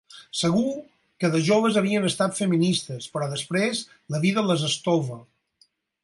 Segur que de joves havien estat feministes, però després la vida les estova.